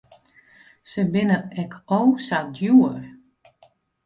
Se binne ek o sa djoer.